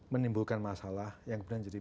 menimbulkan masalah yang kemudian jadi